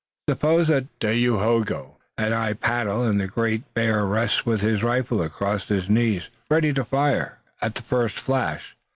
Suppose that Dagaeoga and I paddle, and that the Great Bear rests with his rifle across his knees ready to fire at the first flash.